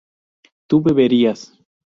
tú beberías